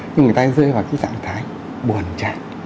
nhưng người ta rơi vào cái tạng thái buồn chạy